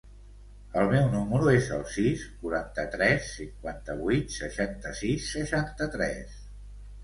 El meu número es el sis, quaranta-tres, cinquanta-vuit, seixanta-sis, seixanta-tres.